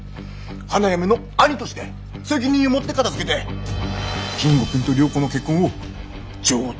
花嫁の兄として責任を持って片づけて金吾君と良子の結婚を上等に進めます。